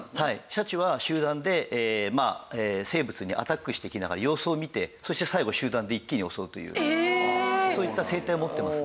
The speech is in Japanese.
シャチは集団で生物にアタックしていきながら様子を見てそして最後集団で一気に襲うというそういった生態を持ってます。